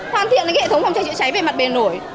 hoàn thiện hệ thống phòng cháy chữa cháy về mặt bề nổi